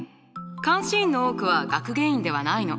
監視員の多くは学芸員ではないの。